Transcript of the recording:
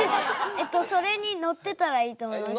えっとそれに乗ってたらいいと思います。